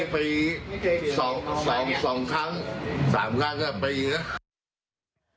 ไป๒ครั้ง๓ครั้งแล้วไปอีกแล้ว